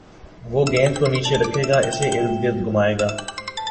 وہ گیند کو نیچے رکھے گا اُسے اردگرد گھمائے گا